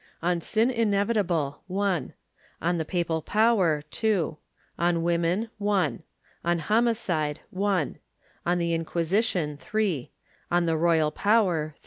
On Sin inevitable . On the Papal Power . On Women On Homicide . On the Inquisition On the Royal Power